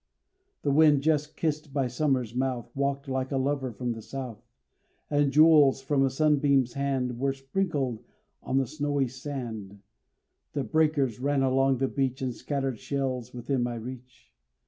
The wind just kissed by summer's mouth Walked like a lover from the South; And jewels from a sunbeam's hand Were sprinkled on the snowy sand; The breakers ran along the beach, And scattered shells within my reach.